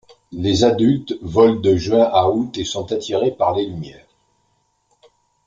Les adultes volent de juin à août et sont attirés par les lumières.